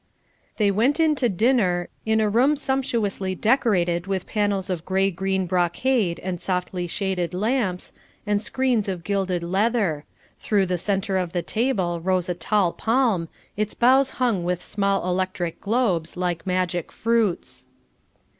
They went in to dinner, in a room sumptuously decorated with panels of grey green brocade and softly shaded lamps, and screens of gilded leather; through the centre of the table rose a tall palm, its boughs hung with small electric globes like magic fruits.